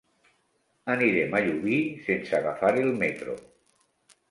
Anirem a Llubí sense agafar el metro.